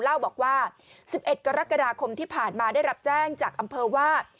เล่าบอกว่า๑๑กรกฎาคมที่ผ่านมาได้รับแจ้งจากอำเภอว่า